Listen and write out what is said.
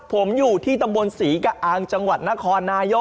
ผมอยู่ที่ตำบลศรีกะอางจังหวัดนครนายก